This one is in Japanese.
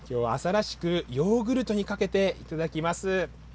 きょうは朝らしく、ヨーグルトにかけて頂きます。